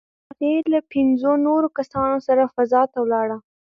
هغې له پنځو نورو کسانو سره فضا ته ولاړه.